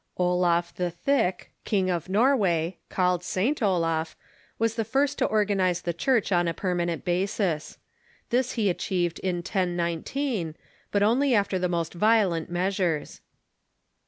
Olaf the Thick, King of Norway, called St. Olaf, was the first to organize the Church on a permanent basis. This he achieved in 1019, but only after the most violent measures.